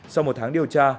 sau một tháng điều tra